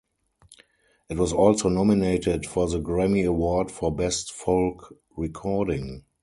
It was also nominated for the Grammy Award for Best Folk Recording.